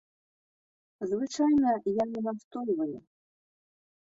Звычайна я не настойваю.